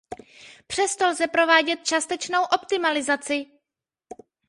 Přesto lze provádět částečnou optimalizaci.